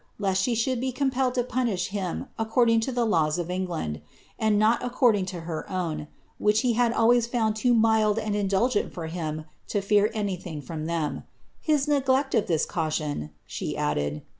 lest she should be compelled lo punisb hie according to the laws of England, and not according to her own, which he had always found too mdd and indulgent for him Lo fear oiiTlIiuif from ihem. His neglect of this caution," she added.